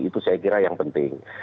itu saya kira yang penting